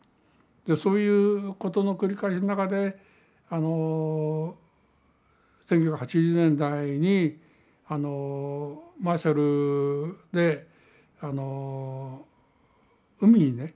そういうことの繰り返しの中であの１９８０年代にあのマーシャルであの海にね